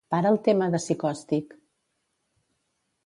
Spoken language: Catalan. Para el tema de Psychostick.